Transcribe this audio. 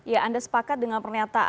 ya anda sepakat dengan pernyataan prof saldi